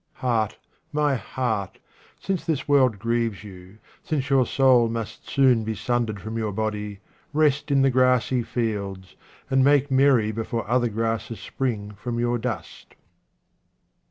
Heart, my heart, since this world grieves you, since your soul must soon be sundered from your body, rest in the grassy fields, and make merry before other grasses spring from your dust.